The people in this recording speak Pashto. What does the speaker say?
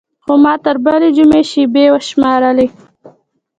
خو ما تر بلې جمعې شېبې شمېرلې.